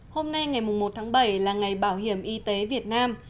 hôm nay ngày một tháng bảy là ngày bảo hiểm y tế việt nam